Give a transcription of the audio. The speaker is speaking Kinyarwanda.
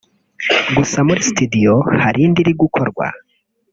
gusa muri studio hari indi iri gukorwa